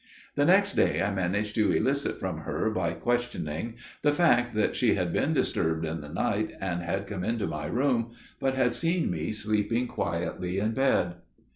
The next day I managed to elicit from her, by questioning, the fact that she had been disturbed in the night, and had come into my room, but had seen me sleeping quietly in bed.